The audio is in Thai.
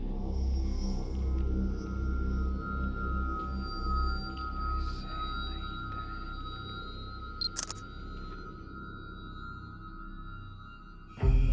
ทำไมของบ้านมาตัว